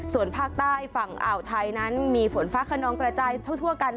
ส่วนภาคใต้ฝั่งอ่าวไทยนั้นมีฝนฟ้าขนองกระจายทั่วกัน